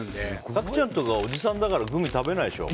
角ちゃんとか、おじさんだからグミ食べないでしょ？